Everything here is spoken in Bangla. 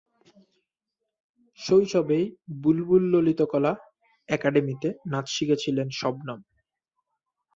শৈশবেই বুলবুল ললিতকলা একাডেমিতে নাচ শিখেছিলেন শবনম।